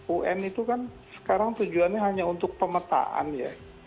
un itu kan sekarang tujuannya hanya untuk pemetaan ya